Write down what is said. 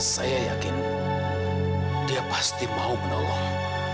saya yakin dia pasti mau menolong